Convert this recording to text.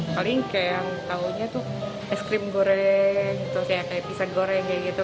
paling kayak yang tahunya tuh es krim goreng gitu sih ya kayak pizza goreng kayak gitu